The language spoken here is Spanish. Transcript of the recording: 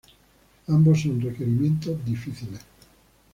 Ambos son requerimientos difíciles.